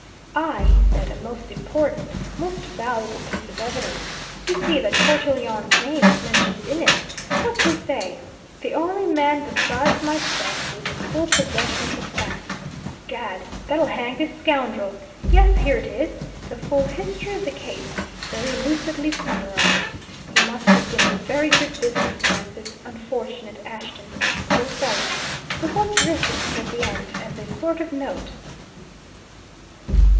"Aye!" he said. "A most important, most valuable piece of evidence. You see that Cortelyon's name is mentioned in it. What's he say 'The only man besides myself who is in full possession of the facts,' Gad that'll hang this scoundrel! Yes, here it is the full history of the case, very lucidly summarized; he must have been a very good business man, this unfortunate Ashton, poor fellow! But what's this he's put at the end, as a sort of note?"